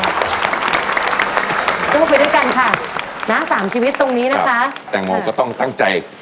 สู้ไปด้วยกันค่ะนะสามชีวิตตรงนี้นะคะแตงโมก็ต้องตั้งใจ